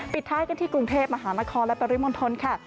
ท้ายกันที่กรุงเทพมหานครและปริมณฑลค่ะ